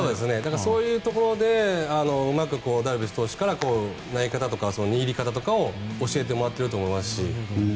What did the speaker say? そういうところでうまくダルビッシュ投手から投げ方とか握り方とかを教えてもらってると思いますし。